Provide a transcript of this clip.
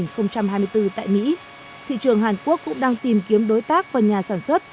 năm hai nghìn hai mươi bốn tại mỹ thị trường hàn quốc cũng đang tìm kiếm đối tác và nhà sản xuất